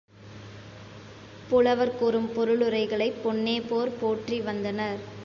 புலவர் கூறும் பொருளுரைகளைப் பொன்னேபோற் போற்றி வந்தனர்.